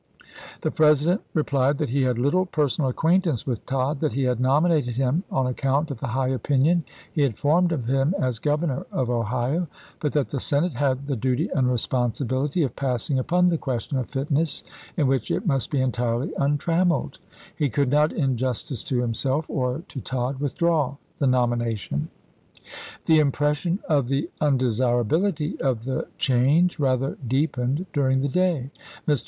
The President re plied that he had little personal acquaintance with Tod, that he had nominated him on ac count of the high opinion he had formed of him as Governor of Ohio ; but that the Senate had the duty and responsibility of passing upon the ques tion of fitness, in which it must be entirely un trammeled ; he could not, in justice to himself or to Tod, withdraw the nomination. The impression of the undesirabilityof the change rather deepened during the day. Mr.